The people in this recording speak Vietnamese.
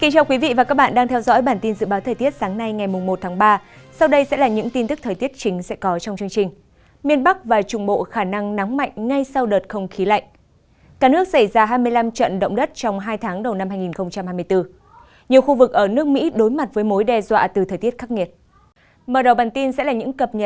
các bạn hãy đăng ký kênh để ủng hộ kênh của chúng mình nhé